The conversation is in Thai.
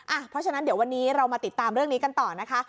เพราะฉะนั้นเดี๋ยววันนี้เรามาติดตามเรื่องนี้กันต่อนะคะ